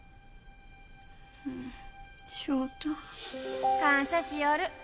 翔太感謝しよる